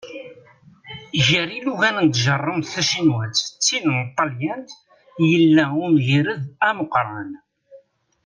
Gar ilugan n tjerrumt tacinwat d tin n tṭalyant yella umgirred ameqqran.